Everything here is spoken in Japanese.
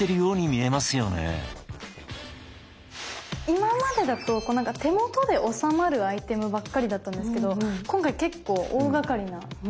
今までだと手元で収まるアイテムばっかりだったんですけど今回結構大がかりな感じなので。